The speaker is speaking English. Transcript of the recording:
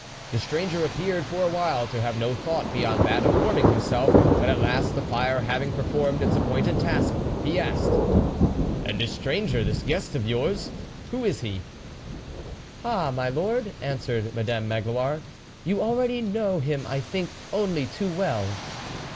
The stranger appeared for a while to have no thought beyond that oi warming himself; but at last the fire having performed its appointed task, he asked :" And this stranger, this guest of yours who was he ?"" Ah ! my lord !" answered Madame Magloire, " you already know him I think only too well."